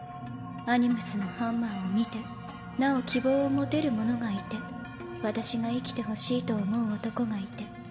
アニムスのハンマーを見てなお希望を持てる者がいて私が生きてほしいと思う男がいて。